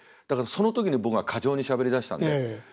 だからその時に僕が過剰にしゃべりだしたんで。